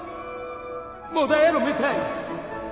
もだえるみたいに！